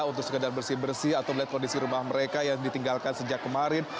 untuk sekedar bersih bersih atau melihat kondisi rumah mereka yang ditinggalkan sejak kemarin